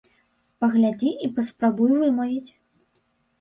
Паглядзі і паспрабуй вымавіць!